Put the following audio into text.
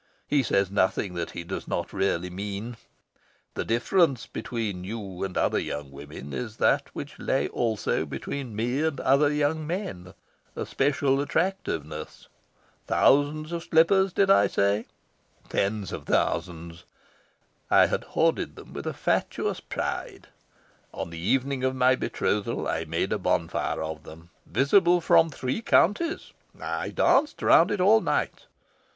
He says nothing that he does not really mean. The indifference between you and other young women is that which lay also between me and other young men: a special attractiveness... Thousands of slippers, did I say? Tens of thousands. I had hoarded them with a fatuous pride. On the evening of my betrothal I made a bonfire of them, visible from three counties. I danced round it all night."